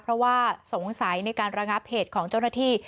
เพราะว่าสงสัยในการระงับเหตุของเจ้าหน้าที่